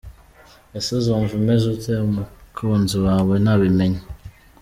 Ese uzumva umeze ute umukunzi wawe nabimenya ?.